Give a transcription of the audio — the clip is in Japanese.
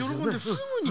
すぐに。